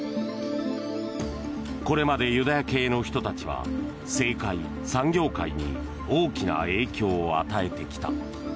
これまでユダヤ系の人たちは政界、産業界に大きな影響を与えてきた。